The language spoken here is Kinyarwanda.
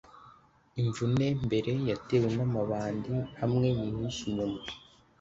imvune mbere yatewe namabandi amwe, yihishe inyuma